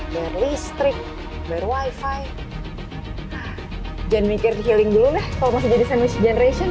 dan listrik berwifi dan mikir healing dulu deh kalau masih jadi sandwich generation